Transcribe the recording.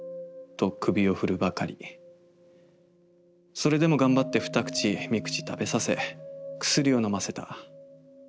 「それでも頑張って二口三口食べさせ薬を飲ませた。